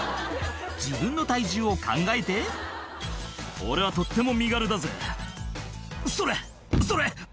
自分の体重を考えて「俺はとっても身軽だぜ」「それっそれっ」